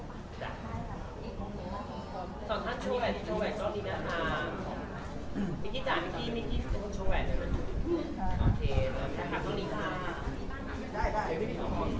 อันใจกับพิกิฟต์นี้ก็จ้างกันได้จ้างกันได้จ้าง